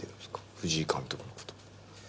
藤井監督のこと。